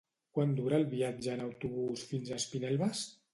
Quant dura el viatge en autobús fins a Espinelves?